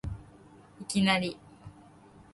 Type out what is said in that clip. いきなり